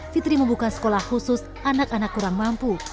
fitri membuka sekolah khusus anak anak kurang mampu